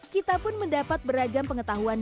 kita pun mendapat beragam pengetahuan